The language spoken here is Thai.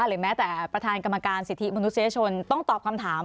หรือแม้แต่ประธานกรรมการสิทธิมนุษยชนต้องตอบคำถาม